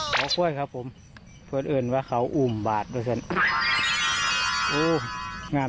คุณคะเขาไม่เหมือนเดิมเขาเปลี่ยนไปเขายังไง